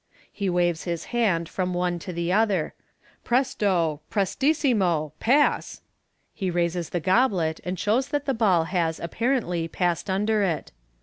He waves his wand from the one to the other. rt Presto ! Prestissimo ! Pass !" (He raises the goblet, and shows that the ball has (apparently) passed under it.)